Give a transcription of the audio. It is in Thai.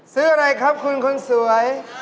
อะไรครับคุณคนสวย